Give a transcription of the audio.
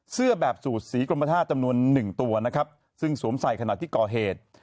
เสื้อแบบสูตรสีกรมธาตุจำนวนหนึ่งตัวนะครับซึ่งสวมใส่ขณะที่ก่อเหตุ